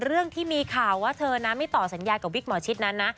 เกินที่มีข่าวว่ามีต่อสัญญากับวิกหมอชิดนั้น